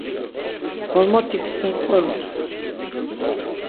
Ğormotik sin ǩqorops.